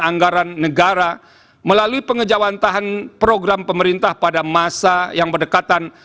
anggaran negara melalui pengejawantahan program pemerintah pada masa yang berdekatan atau berimpitan